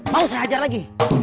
mau saya ajar lagi